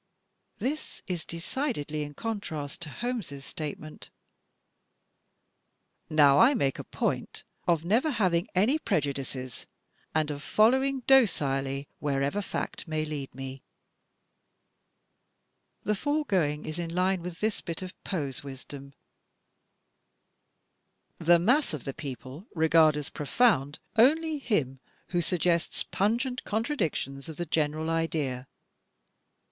This is decidedly in contrast to Holmes' statement, " Now I make a point of never having any prejudices, and of fol lowing docilely wherever fact may lead me." The foregoing is in line with this bit of Poe's wisdom: *' The mass of the people regard as profoimd only him who sug gests pungent contradictions of the general idea.